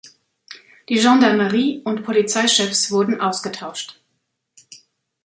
Die Gendarmerie und Polizeichefs wurden ausgetauscht.